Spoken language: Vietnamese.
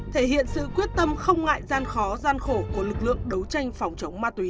thể hiện sự quyết tâm không ngại gian khó gian khổ của lực lượng đấu tranh phòng chống ma túy